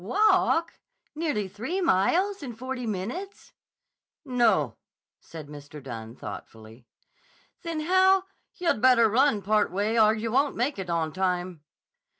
Walk? Nearly three miles in forty minutes?" "No," said Mr. Dunne thoughtfully. "Then, how—" "Yah'd better run part way, or yah won't make it on time."